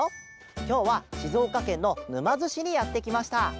きょうはしずおかけんのぬまづしにやってきました。